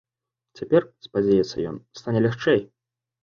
Цяпер, спадзяецца ён, стане лягчэй.